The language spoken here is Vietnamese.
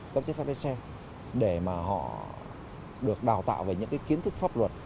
cấp chế pháp lái xe để mà họ được đào tạo về những kiến thức pháp luật